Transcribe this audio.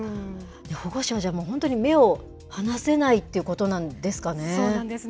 保護者は、じゃあもう、本当に目を離せないということなんですかね。